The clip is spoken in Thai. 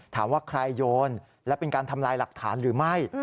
ถามว่าใครโยนและเป็นการทำลายหลักฐานหรือไม่